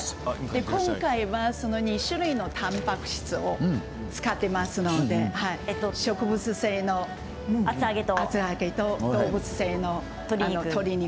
今回は２種類のたんぱく質を使っていますので植物性の厚揚げと動物性の鶏肉。